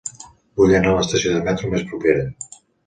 Vull anar a l'estació de metro més propera.